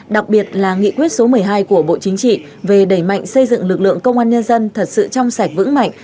đặc biệt là nghị quyết số một mươi hai của bộ chính trị về đẩy mạnh xây dựng lực lượng công an nhân dân thật sự trong sạch vững mạnh